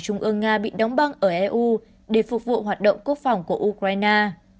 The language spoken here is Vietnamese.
trung ương nga bị đóng băng ở eu để phục vụ hoạt động quốc phòng của ukraine